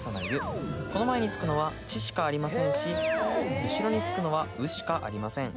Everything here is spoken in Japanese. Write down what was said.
この前に付くのは「ち」しかありませんし後ろに付くのは「う」しかありません。